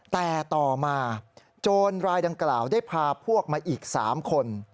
แต่ต่อมาโจรรายดังกล่าวได้พาพวกมาอีก๓คน